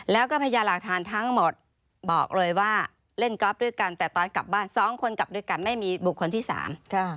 แล้วก็พญาหลักฐานทั้งหมดบอกเลยว่าเล่นกอล์ฟด้วยกันแต่ตอนกลับบ้านสองคนกลับด้วยกันไม่มีบุคคลที่สามค่ะ